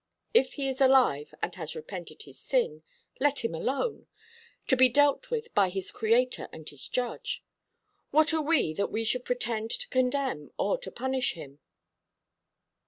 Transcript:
If he is alive and has repented his sin, let him alone, to be dealt with by his Creator and his Judge. What are we that we should pretend to condemn or to punish him?"